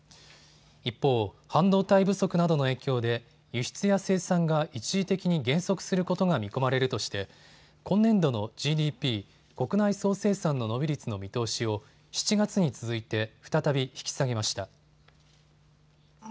一方、半導体不足などの影響で輸出や生産が一時的に減速することが見込まれるとして今年度のＧＤＰ・国内総生産の伸び率の見通しを７月に続いて再び引き下げました。